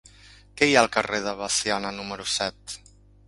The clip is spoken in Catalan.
Què hi ha al carrer de Veciana número set?